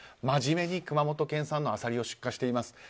真面目に熊本県産のアサリを出荷しています。